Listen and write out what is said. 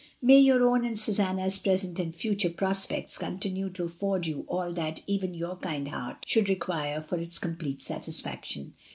May your own and Susanna's present and future prospects continue to afford you all that even your kind heart should require for its complete satis faction.